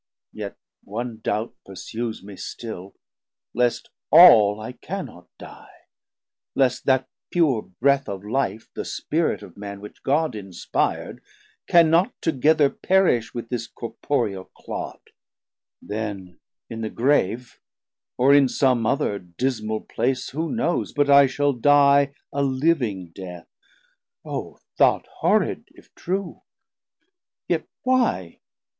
Yet one doubt Pursues me still, least all I cannot die, Least that pure breath of Life, the Spirit of Man Which God inspir'd, cannot together perish With this corporeal Clod; then in the Grave, Or in some other dismal place, who knows But I shall die a living Death? O thought Horrid, if true! yet why?